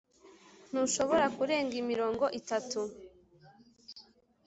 ntushobora kurenga imirongo itatu.